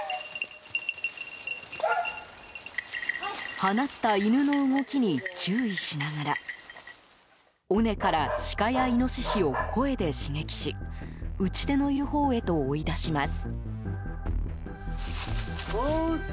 放った犬の動きに注意しながら尾根からシカやイノシシを声で刺激し撃ち手のいるほうへと追い出します。